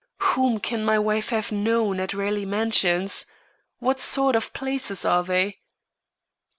"Whom can my wife have known at Raleigh Mansions? What sort of places are they?"